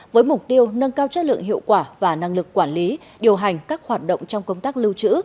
với mục tiêu nâng cao chất lượng hiệu quả và năng lực quản lý điều hành các hoạt động trong công tác lưu trữ